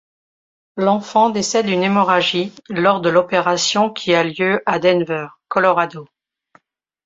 L'enfant décède d'une hémorragie lors de l'opération qui a lieu à Denver, Colorado.